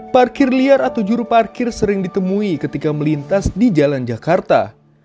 parkir liar atau juru parkir sering ditemui ketika melintas di jalan jakarta